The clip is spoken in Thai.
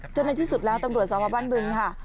ในที่สุดแล้วตำรวจสพบ้านบึงค่ะ